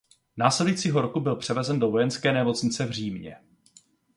Následujícího roku byl převezen do vojenské nemocnice v Římě.